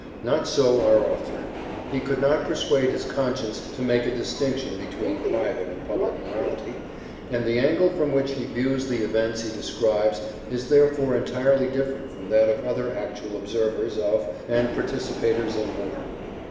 Not so our author. He could not persuade his conscience to make a distinction between private and public morality, and the angle from which he views the events he describes is therefore entirely different from that of other actual observers of and participators in war.